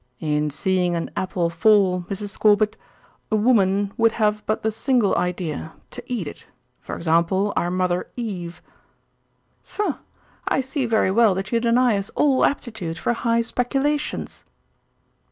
"In seeing an apple fall, Mrs. Scorbitt, a woman would have but the single idea to eat it for example, our mother Eve." "Pshaw, I see very well that you deny us all aptitude for high speculations."